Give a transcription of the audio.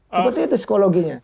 seperti itu psikologinya